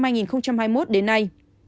năm hai nghìn hai mươi một đến nay